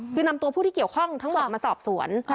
คือนำตัวผู้ที่เกี่ยวข้องทั้งหมดมาสอบสวน